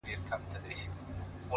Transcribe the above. • څو بې غیرته قاتلان اوس د قدرت پر ګدۍ,